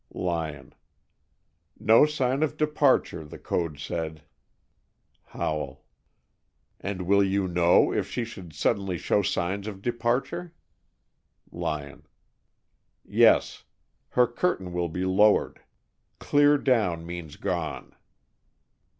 Lyon: "No sign of departure, the code said." Howell. "And will you know if she should suddenly show signs of departure?" Lyon: "Yes. Her curtain will be lowered. Clear down means gone."